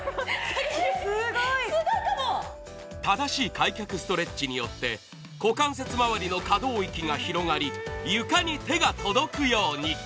正しい開脚ストレッチによって股関節まわりの可動域が広がり、床に手が届くように。